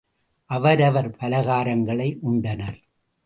அவரவர் பலகாரங்களை உண்டனர்.